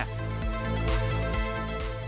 supeno menanggung pembunuhan pembunuhan